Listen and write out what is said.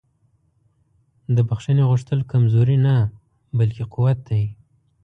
د بښنې غوښتل کمزوري نه بلکې قوت دی.